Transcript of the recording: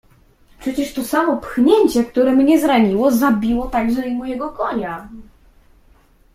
"Przecież to samo pchnięcie, które mnie zraniło, zabiło także i mojego konia!"